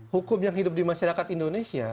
hukum yang hidup di masyarakat indonesia